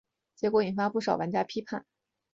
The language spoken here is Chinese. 结果引发不少玩家批评。